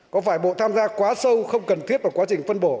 có phải bộ tham gia quá sâu không cần thiết vào quá trình phân bổ